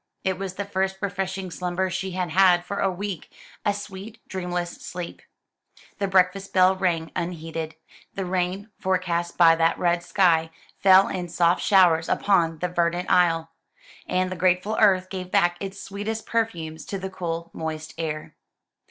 It was the first refreshing slumber she had had for a week a sweet dreamless sleep. The breakfast bell rang unheeded. The rain, forecast by that red sky, fell in soft showers upon the verdant isle, and the grateful earth gave back its sweetest perfumes to the cool, moist air.